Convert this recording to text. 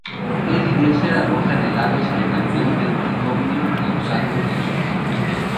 Ed y Dexter arrojan helados al camión del manicomio, causando que choque.